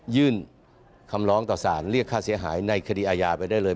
ยื่นคำร้องต่อสารเรียกค่าเสียหายในคดีอาญาไปได้เลย